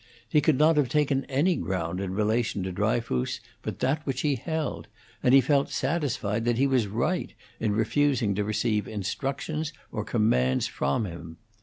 He could not have taken any ground in relation to Dryfoos but that which he held, and he felt satisfied that he was right in refusing to receive instructions or commands from him.